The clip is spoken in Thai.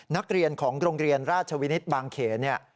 นักเรียนของโรงเรียนราชวินิตบางเขนเนี่ย